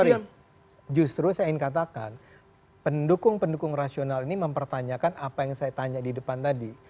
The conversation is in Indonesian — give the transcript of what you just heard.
tapi justru saya ingin katakan pendukung pendukung rasional ini mempertanyakan apa yang saya tanya di depan tadi